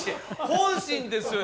本心ですよ